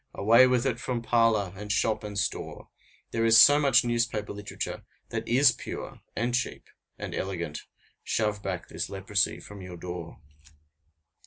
Away with it from parlor, and shop, and store! There is so much newspaper literature that is pure, and cheap, and elegant; shove back this leprosy from your door.